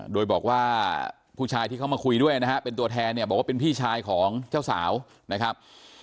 โดยบอกว่าผู้ชายที่เขามาคุยด้วยนะฮะเป็นตัวแทนเนี่ยบอกว่าเป็นพี่ชายของเจ้าสาวนะครับ